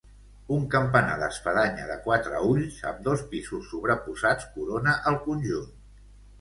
Un campanar d'espadanya de quatre ulls, amb dos pisos sobreposats corona el conjunt.